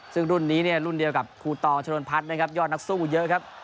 ซึ่งรุ่นนี้เนี่ยรุ่นเดียวกับครูตอชนวนพัฒน์นะครับยอดนักสู้เยอะครับ